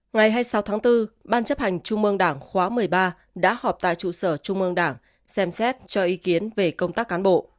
ngày hai mươi sáu tháng bốn ban chấp hành trung mương đảng khóa một mươi ba đã họp tại trụ sở trung ương đảng xem xét cho ý kiến về công tác cán bộ